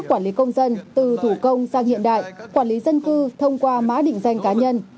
quản lý công dân từ thủ công sang hiện đại quản lý dân cư thông qua mã định danh cá nhân